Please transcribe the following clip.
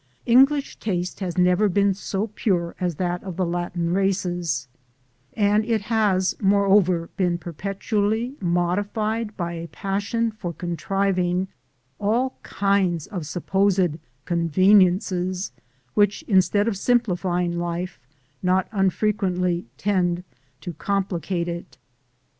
English taste has never been so sure as that of the Latin races; and it has, moreover, been perpetually modified by a passion for contriving all kinds of supposed "conveniences," which instead of simplifying life not unfrequently tend to complicate it.